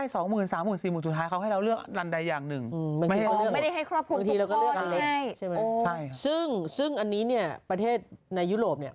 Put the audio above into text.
สมมุติอันนี้ได้๒๓๐๐ศิมธิ์หมดจุดท้าย